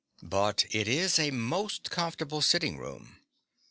But it is a most comfortable sitting room.